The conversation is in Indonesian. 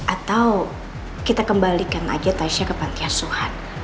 atau kita kembalikan aja tasha ke pantai asuhan